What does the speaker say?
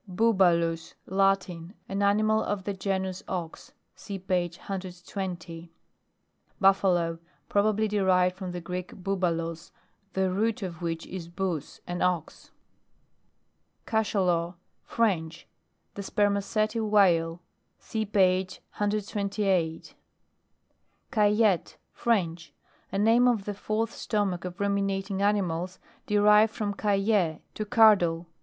BUBALUS. Latin. An animal of the genus ox. (See page 120.) BUFFALO. Probably derived from the Greek boubulos, the root of which is bous, an ox. CACHALOT. French. The spermaceti whale. (See page 128.) CAILLETTE. French. A name of the fourth stomach of Ruminating ani mals, derived from cailler, to cur dle.